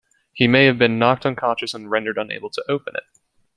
He may have been knocked unconscious and rendered unable to open it.